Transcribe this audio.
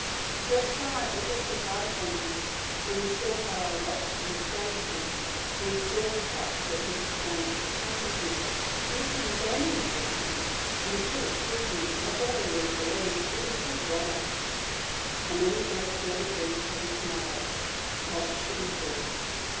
The first time I ever set eyes on him, when he saw how I watched and studied him when he saw perhaps that his appearance had puzzled me even then he hated me and could have killed me, I verily believe, with a good relish." And then he gave thought again to his mother. What should he do?